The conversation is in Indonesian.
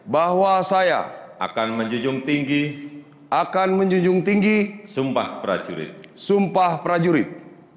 bahwa saya akan menjunjung tinggi sumpah prajurit